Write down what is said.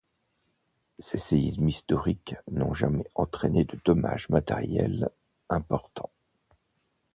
Ces séismes historiques n’ont jamais entraîné de dommages matériels importants.